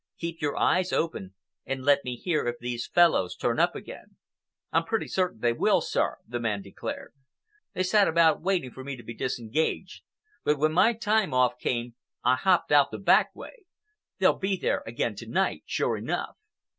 Keep your eyes open, and let me hear if these fellows turn up again." "I'm pretty certain they will, sir," the man declared. "They sat about waiting for me to be disengaged, but when my time off came, I hopped out the back way. They'll be there again to night, sure enough."